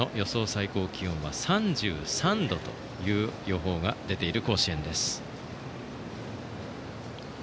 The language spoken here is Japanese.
最高気温は３３度という予報が出ている甲子園です。